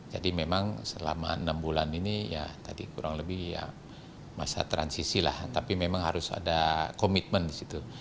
jadi memang selama enam bulan ini ya tadi kurang lebih ya masa transisi lah tapi memang harus ada komitmen disitu